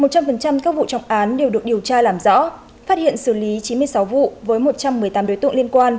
một trăm linh các vụ trọng án đều được điều tra làm rõ phát hiện xử lý chín mươi sáu vụ với một trăm một mươi tám đối tượng liên quan